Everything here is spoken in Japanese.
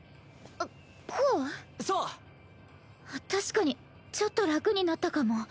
確かにちょっと楽になったかも。